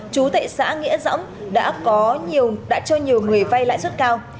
chú tệ xã nghĩa dõng đã cho nhiều người vay lãi suất cao